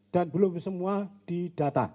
dan belum semua di data